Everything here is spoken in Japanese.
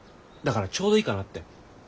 だからちょうどいいかなって。